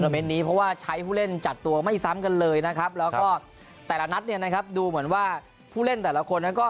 เพราะว่าใช้ผู้เล่นจัดตัวไม่ซ้ำกันเลยนะครับแล้วก็แต่ละนัดดูเหมือนว่าผู้เล่นแต่ละคน